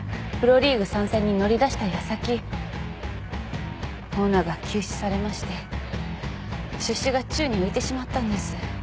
プロリーグ参戦に乗り出した矢先オーナーが急死されまして出資が宙に浮いてしまったんです。